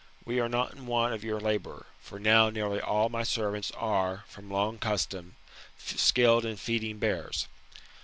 We are not in want of your labour; for now nearly all my servants are, from long custom, skilled in feeding bears.